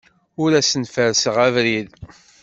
Ur asen-ferrseɣ abrid.